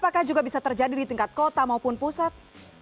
apakah juga bisa terjadi di tingkat kota maupun pusat